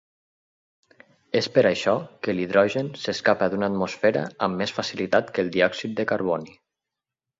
És per això que l'hidrogen es escapa d'una atmosfera amb més facilitat que el diòxid de carboni.